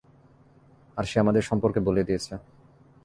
আরে, সে আমাদের সম্পর্কে বলে দিয়েছে।